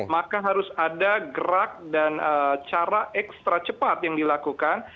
maka harus ada gerak dan cara ekstra cepat yang dilakukan